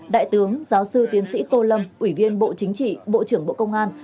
đại tướng giáo sư tiến sĩ tô lâm ủy viên bộ chính trị bộ trưởng bộ công an